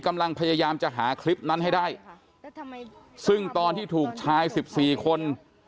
กำลังพยายามจะหาคลิปนั้นให้ได้ซึ่งตอนที่ถูกชายสิบสี่คน